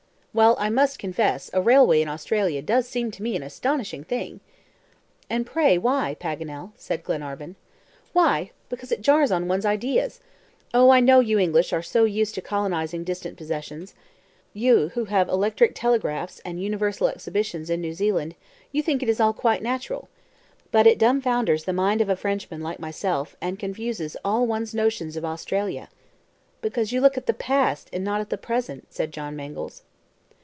Well, I must confess, a railway in Australia does seem to me an astonishing thing!" "And pray, why, Paganel?" said Glenarvan. "Why? because it jars on one's ideas. Oh! I know you English are so used to colonizing distant possessions. You, who have electric telegraphs and universal exhibitions in New Zealand, you think it is all quite natural. But it dumb founders the mind of a Frenchman like myself, and confuses all one's notions of Australia!" "Because you look at the past, and not at the present," said John Mangles.